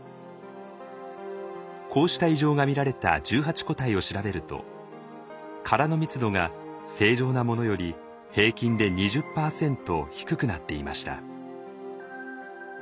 こうした異常が見られた１８個体を調べると殻の密度が正常なものより平均で２０％低くなっていました。